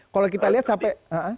kalau kita lihat sampai